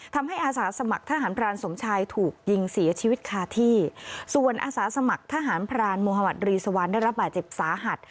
อาสาสมัครทหารพรานสมชายถูกยิงเสียชีวิตคาที่ส่วนอาสาสมัครทหารพรานโมฮมัตรีสวรรค์ได้รับบาดเจ็บสาหัส